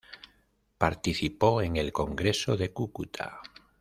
Participó en el Congreso de Cúcuta.